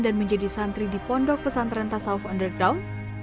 dan menjadi santri di pondok pesantren tasawuf underdawn